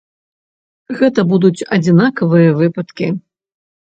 Гэта будуць адзінкавыя выпадкі.